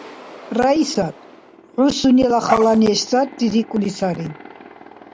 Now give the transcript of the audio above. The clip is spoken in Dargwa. – Раисат… хӀу сунела хала неш сари рикӀули сари.